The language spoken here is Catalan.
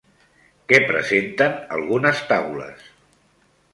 Què presenten algunes taules?